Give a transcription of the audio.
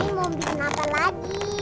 om boim mau bikin apa lagi